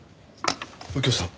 右京さん